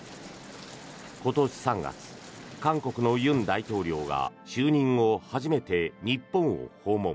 今年３月、韓国の尹大統領が就任後初めて日本を訪問。